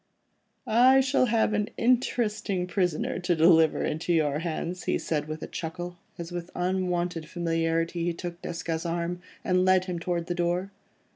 "I shall have an interesting prisoner to deliver into your hands," he said with a chuckle, as with unwonted familiarity he took Desgas' arm, and led him towards the door.